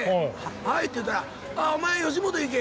「はい」って言ったら「お前吉本行け」